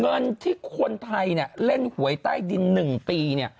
เงินที่คนไทยเล่นหวยใต้ดิน๑ปี